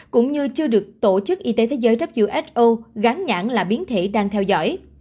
cũng như chưa được tổ chức y tế thế giới who gán nhãn là biến thể đang theo dõi